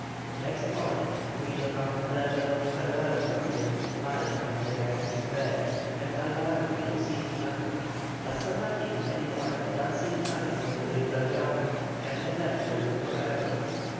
Next morning Guido found a letter of farewell from him lying at the head of his bed, and Alvarado received another, but San Martin had embarked that same night on the brig Belgrano, and had left Peru for ever.